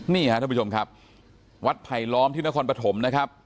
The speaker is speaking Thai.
นี่ค่ะท่านผู้ชมครับวัดไผลล้อมที่นครปฐมนะครับ